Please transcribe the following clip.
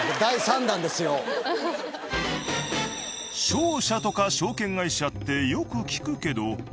商社とか証券会社ってよく聞くけど。